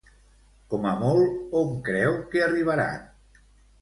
Com a molt, on creu que arribaran?